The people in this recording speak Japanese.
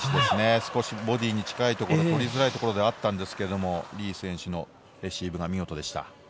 少しボディーに近いところ、取りづらいところではあったんですが、リ選手のレシーブが見事でした。